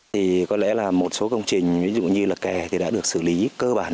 thì có lẽ là một số công trình ví dụ như là kè thì đã được xử lý cơ bản